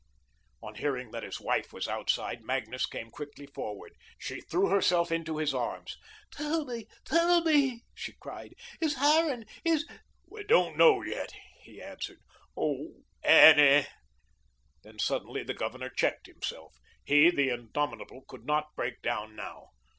On hearing that his wife was outside, Magnus came quickly forward. She threw herself into his arms. "Tell me, tell me," she cried, "is Harran is " "We don't know yet," he answered. "Oh, Annie " Then suddenly the Governor checked himself. He, the indomitable, could not break down now.